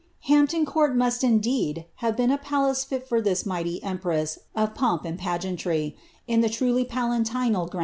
Hampton Court must, indeed, have been a palace fit for this mighty empress of pomp and pageantry, in the truly paUuu^ g;re.